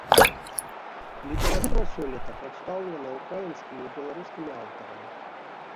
Літаратура сёлета прадстаўлена украінскімі і беларускімі аўтарамі.